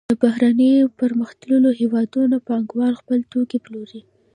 د بهرنیو پرمختللو هېوادونو پانګوال خپل توکي پلوري